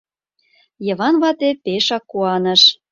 Йыван вате пешак куаныш.